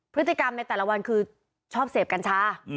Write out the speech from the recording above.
พฤติกรรมในแต่ละวันคือชอบเสพกัญชา